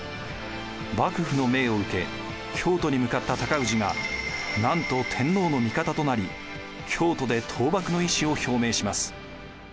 幕府の命を受け京都に向かった高氏がなんと天皇の味方となり京都で倒幕の意思を表明します。